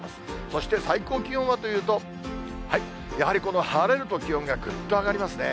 そして最高気温はというと、やはりこの晴れると、気温がぐっと上がりますね。